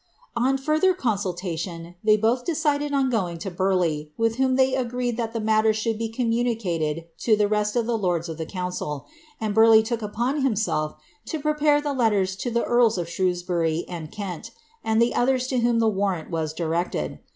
'" On further consult* i tion, they both decided on going lo Burleigh, with nhom they agrtrd thai the mailer should be communicated lo ihc rest of ihe lords of the council, and Burleigh took upon himself lo prepare the letters to ih« i earls of Shrewsbury and Kent, and the others lo whom the warrant "*» t directed.